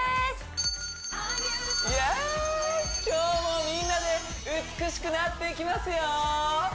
今日もみんなで美しくなっていきますよ